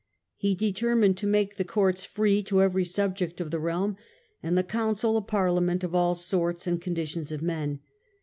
He determined to make the courts free to every subject of the realm, and the council a parliament of all sorts and conditions of men.